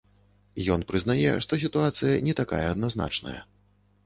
Ён прызнае, што сітуацыя не такая адназначная.